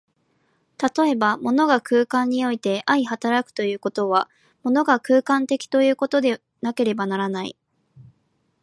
例えば、物が空間において相働くということは、物が空間的ということでなければならない。